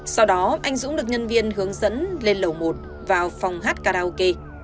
sau đó anh dũng được nhân viên hướng dẫn lên lầu một vào phòng hát karaoke